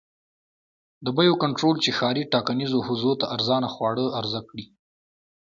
د بیو کنټرول چې ښاري ټاکنیزو حوزو ته ارزانه خواړه عرضه کړي.